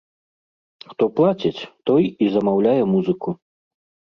Хто плаціць, той і замаўляе музыку.